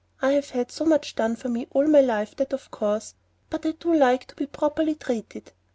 "I've had so much done for me all my life that of course But I do like to be properly treated.